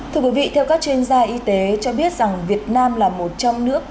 thưa quý vị theo các chuyên gia y tế cho biết rằng việt nam là một trong nước